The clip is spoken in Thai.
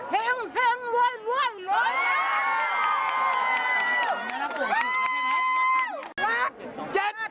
แห่งแห่งรวยรวยรวย